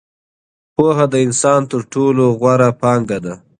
پوهه د انسان تر ټولو غوره پانګه ده.